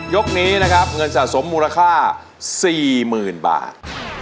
ยกนี้นะครับเงินสะสมมูลค่า๔๐๐๐บาท